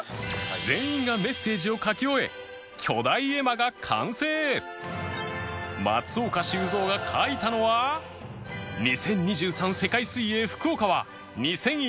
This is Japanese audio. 全員がメッセージを書き終え松岡修造が書いたのは「２０２３世界水泳福岡は２００１